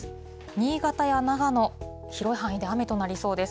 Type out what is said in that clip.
新潟や長野、広い範囲で雨となりそうです。